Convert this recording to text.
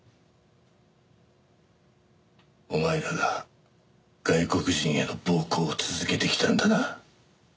お前らが外国人への暴行を続けてきたんだな。